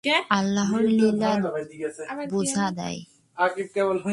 আল্লাহর লীলা বুঝা দায়।